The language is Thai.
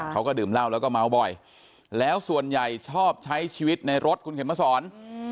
เขาก็ดื่มเหล้าแล้วก็เมาบ่อยแล้วส่วนใหญ่ชอบใช้ชีวิตในรถคุณเข็มมาสอน